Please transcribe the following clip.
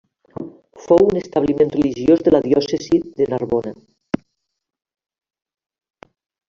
Fou un establiment religiós de la diòcesi de Narbona.